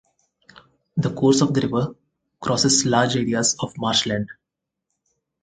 The course of the river crosses large areas of marshland.